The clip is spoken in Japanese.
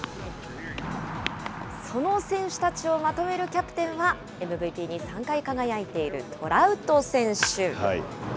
その選手たちをまとめるキャプテンは、ＭＶＰに３回輝いているトラウト選手。